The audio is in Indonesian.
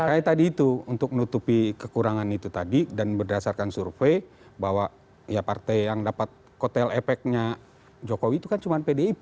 makanya tadi itu untuk menutupi kekurangan itu tadi dan berdasarkan survei bahwa ya partai yang dapat kotel efeknya jokowi itu kan cuma pdip